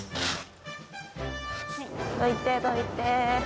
どいてどいて。